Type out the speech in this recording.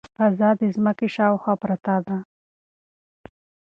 فضا د ځمکې شاوخوا پرته ده.